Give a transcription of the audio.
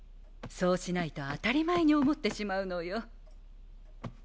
そうしないと当たり前に思ってしまうのよ。